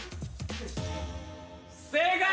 正解！